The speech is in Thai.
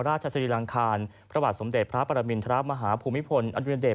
ราชสรีลังคารพระวัสดิ์สมเด็จพระปรมินทราบมหาภูมิพลอันดุลินเดชน์